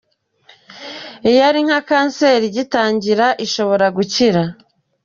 Iyo ari nka Kanseri igitangira ishobora gukira.